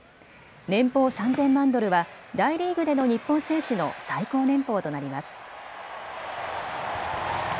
年俸３０００万ドルは大リーグでの日本選手の最高年俸となります。